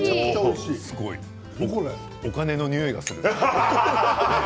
お金のにおいがする。